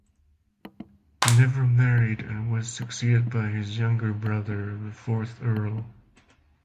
He never married and was succeeded by his younger brother, the fourth Earl.